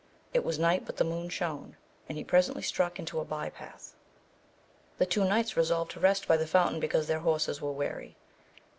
It was night but the moon shone, and he presently struck into a bye path. The two knights resolved to rest by the fountain because their horses were weary.